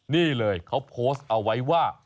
นี่เลยเขาโพสต์เอาไว้ว่า